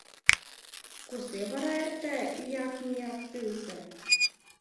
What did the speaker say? — Кузе вара эрта ӱяк-мӱяк тылзе?